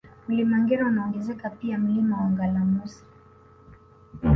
Mlima Ngera unaongezeka pia Mlima wa Ngalamusa